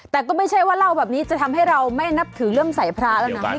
แต่ก็ไม่ใช่ว่าเล่าแบบนี้จะทำให้เราไม่นับถือเรื่องใส่พระแล้วนะ